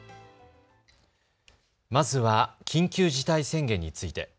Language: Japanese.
まずは緊急事態宣言について。